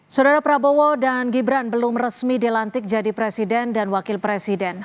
saudara prabowo dan gibran belum resmi dilantik jadi presiden dan wakil presiden